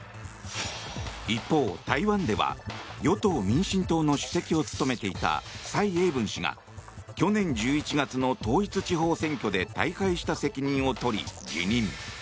一方、台湾では与党・民進党の主席を務めていた蔡英文氏が去年１１月の統一地方選挙で大敗した責任を取り辞任。